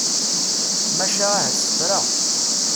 Maca ahat tefra.